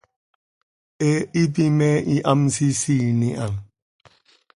He hipi me hihamsisiin iha.